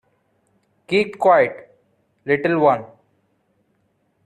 Keep quiet, little one!